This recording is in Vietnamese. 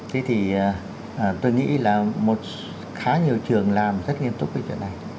thế thì tôi nghĩ là khá nhiều trường làm rất nghiêm túc cái chuyện này